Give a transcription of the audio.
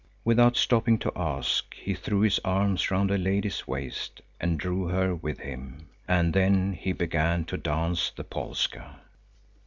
Without stopping to ask, he threw his arms round a lady's waist and drew her with him. And then he began to dance the polska.